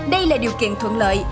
đây là điều kiện thuận lợi